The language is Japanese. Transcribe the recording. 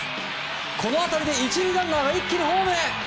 この当たりで１塁ランナー一気にホームへ。